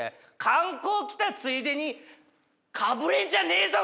観光来たついでにかぶれんじゃねえぞ！